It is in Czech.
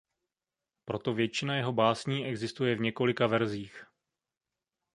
Proto většina jeho básní existuje v několika verzích.